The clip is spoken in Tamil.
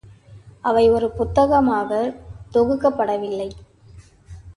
அவை ஒரு புத்தகமாகத் தொகுக்கப் படவில்லை.